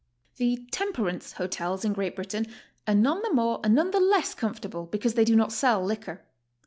The "temperance" hotels in Great Britain are none the more and none the less comfortable because they do not sell liquor.